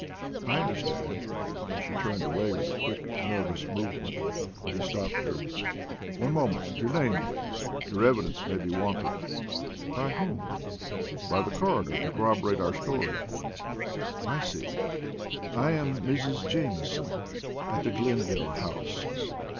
"I understand." She turned away with a quick, nervous movement, but he stopped her. "One moment. Your name, please? Your evidence may be wanted." "By whom?" "By the coroner; to corroborate our story." "I see. I am Mrs. Jamieson; at the Glenville House."